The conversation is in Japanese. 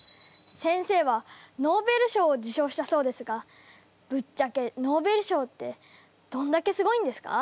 先生はノーベル賞を受賞したそうですがぶっちゃけノーベル賞ってどんだけすごいんですか？